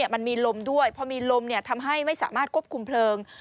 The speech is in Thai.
มันมีลมด้วยพอมีลมทำให้ไม่สามารถควบคุมเพลิง